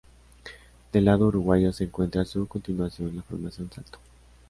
Del lado uruguayo se encuentra su continuación, la Formación Salto.